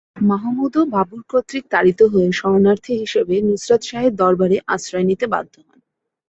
মাহমুদও বাবুর কর্তৃক তাড়িত হয়ে শরণার্থী হিসেবে নুসরত শাহের দরবারে আশ্রয় নিতে বাধ্য হন।